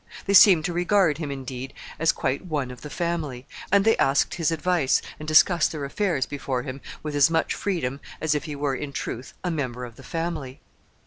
They seemed to regard him, indeed, as quite one of the family, and they asked his advice, and discussed their affairs before him with as much freedom as if he were, in truth, a member of the family.